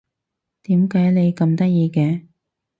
點解你咁得意嘅？